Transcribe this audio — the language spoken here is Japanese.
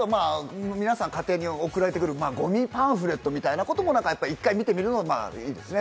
家庭に送られてくる、ごみパンフレットみたいなことも１回、見てみるのもいいですね。